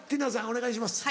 お願いします。